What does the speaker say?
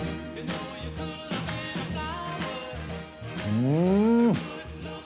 うん！